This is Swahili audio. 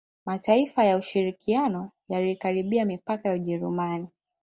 Mataifa ya ushirikiano yalikaribia mipaka ya Ujerumani